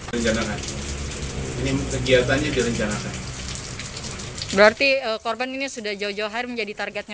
rencanakan ini kegiatannya direncanakan berarti korban ini sudah jauh jauh hari menjadi targetnya